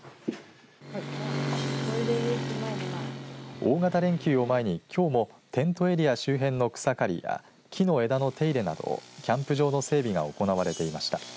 大型連休を前にきょうもテントエリア周辺の草刈りや木の枝の手入れなどキャンプ場の整備が行われていました。